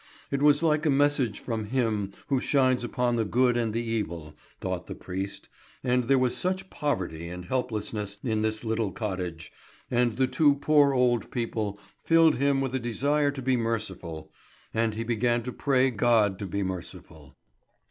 It was like a message from Him who shines upon the good and the evil, thought the priest, and there was such poverty and helplessness in this little cottage, and the two poor old people filled him with a desire to be merciful, and he began to pray God to be merciful.